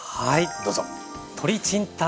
どうぞ。